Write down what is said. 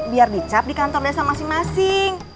biar dicap di kantor desa masing masing